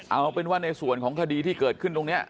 เอาเป็นว่าในส่วนของคดีที่เกิดขึ้นตรงนี้